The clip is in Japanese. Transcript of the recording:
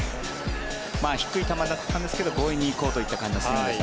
低い球だったんですが強引に行こうという感じがあったんですが。